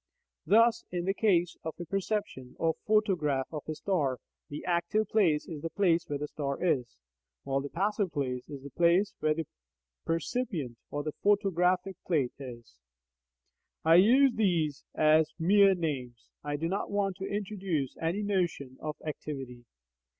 * Thus in the case of a perception or photograph of a star, the active place is the place where the star is, while the passive place is the place where the percipient or photographic plate is. * I use these as mere names; I do not want to introduce any notion of "activity."